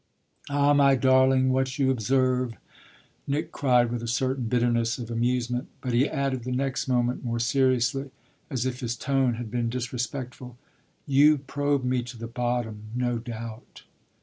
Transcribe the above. "Ah my darling, what you observe !" Nick cried with a certain bitterness of amusement. But he added the next moment more seriously, as if his tone had been disrespectful: "You probe me to the bottom, no doubt."